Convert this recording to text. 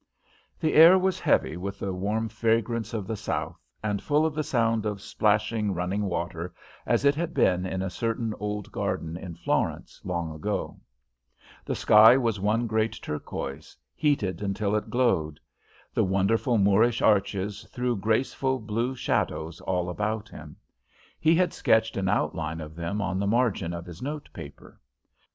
The air was heavy with the warm fragrance of the South and full of the sound of splashing, running water, as it had been in a certain old garden in Florence, long ago. The sky was one great turquoise, heated until it glowed. The wonderful Moorish arches threw graceful blue shadows all about him. He had sketched an outline of them on the margin of his note paper.